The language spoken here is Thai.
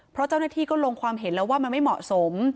เพราะเจ้าหน้าที่ก็ลงความเห็นแล้วว่ามันไม่เหมาะสม